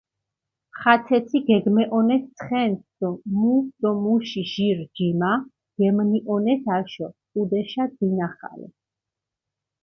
ხაცეცი გეგმეჸონეს ცხენს დო მუ დო მუში ჟირ ჯიმა გემნიჸონეს აშო, ჸუდეშა, დინახალე.